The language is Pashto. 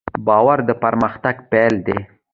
باور د پرمختګ پیل دی.